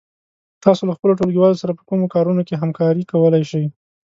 تاسو له خپلو ټولگيوالو سره په کومو کارونو کې همکاري کولای شئ؟